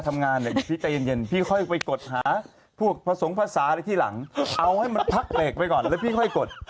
แต่ว่าไม่ได้ครบ